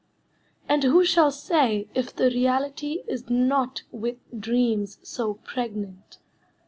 And who shall say if the reality Is not with dreams so pregnant.